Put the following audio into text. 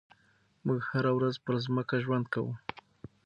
موږ هره ورځ پر ځمکه ژوند کوو.